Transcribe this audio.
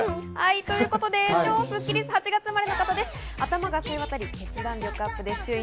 超スッキりす、８月生まれの方です。